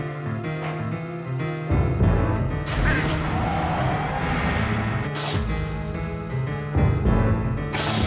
amba mohon pertolonganmu ya allah